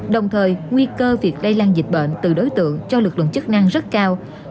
đồng thời nguy cơ việc lây lan dịch bệnh từ đối tượng cho lực lượng chức năng rất cao